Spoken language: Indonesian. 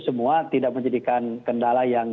semua tidak menjadikan kendala yang